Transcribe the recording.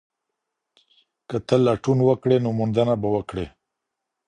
که ته لټون وکړې نو موندنه به وکړې.